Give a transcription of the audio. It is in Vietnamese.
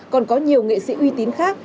còn có nhiều nghệ sĩ uy tín khác